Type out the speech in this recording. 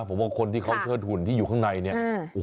ผมว่าคนที่เขาเชิดหุ่นที่อยู่ข้างในเนี่ย